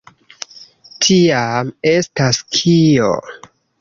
Tiam, estas kio?